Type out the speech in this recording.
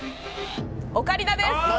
オカリナです。